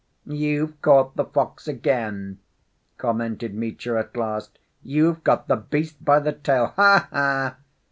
"You've caught the fox again," commented Mitya at last; "you've got the beast by the tail. Ha ha!